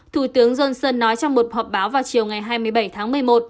thủ tướng johnson nói trong một họp báo vào chiều ngày hai mươi bảy tháng một mươi một